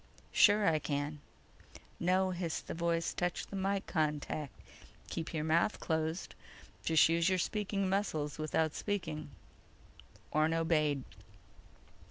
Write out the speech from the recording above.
"Sure. I can—" "No!" hissed the voice. "Touch the mike contact. Keep your mouth closed. Just use your speaking muscles without speaking." Orne obeyed.